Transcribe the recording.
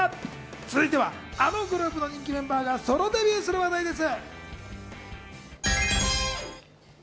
続いてはのグループのメンバーがソロデビューする話題です。